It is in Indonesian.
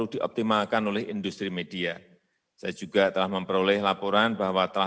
dan media sosial